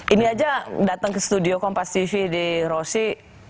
ini aja datang ke studio kompas tv di rossi